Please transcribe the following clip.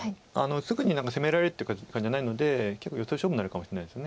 すぐに何か攻められるっていう感じじゃないので結構ヨセ勝負になるかもしれないです